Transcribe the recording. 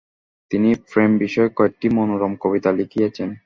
তিনি প্রেমবিষয়ক কয়েকটি মনোরম কবিতা লিখিয়াছেন।